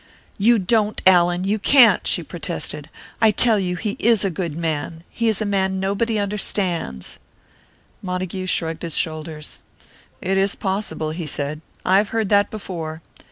"You don't, Allan, you can't!" she protested. "I tell you he is a good man! He is a man nobody understands " Montague shrugged his shoulders. "It is possible," he said. "I have heard that before.